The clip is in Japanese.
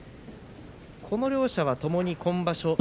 この両者はともに今場所